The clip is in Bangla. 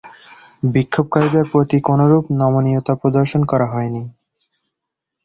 বিক্ষোভকারীদের প্রতি কোনরূপ নমনীয়তা প্রদর্শন করা হয়নি।